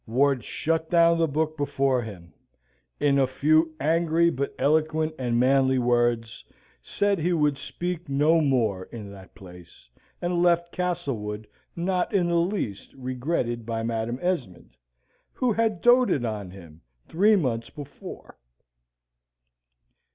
Ward shut down the book before him; in a few angry, but eloquent and manly words, said he would speak no more in that place; and left Castlewood not in the least regretted by Madam Esmond, who had doted on him three months before.